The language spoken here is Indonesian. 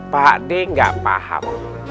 pak d gak paham